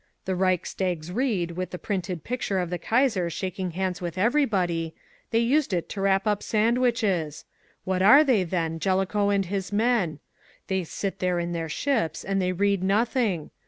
The Reichstags Rede with the printed picture of the Kaiser shaking hands with everybody, they used it to wrap up sandwiches! What are they, then, Jellicoe and his men? They sit there in their ships and they read nothing!